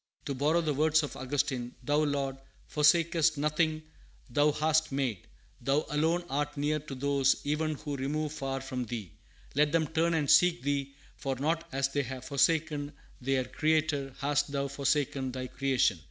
To borrow the words of Augustine "Thou, Lord, forsakest nothing thou hast made. Thou alone art near to those even who remove far from thee. Let them turn and seek thee, for not as they have forsaken their Creator hast thou forsaken thy creation."